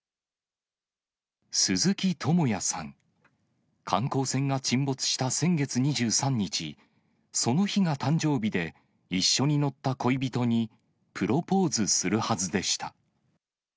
鈴木智也さん、観光船が沈没した先月２３日、その日が誕生日で、一緒に乗った恋人にプロポーズするはずでした。